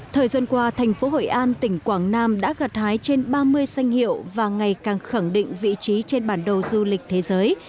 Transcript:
thời gian qua thành phố hội an tỉnh quảng nam đã gặt hái trên ba mươi danh hiệu và ngày càng khẳng định vị trí trên bản đồ du lịch thế giới